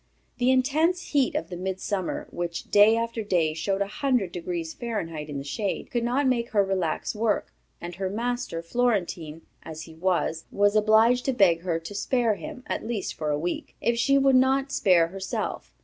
The intense heat of a midsummer, which, day after day, showed a hundred degrees Fahrenheit in the shade, could not make her relax work, and her master, Florentine as he was, was obliged to beg her to spare him, at least for a week, if she would not spare herself.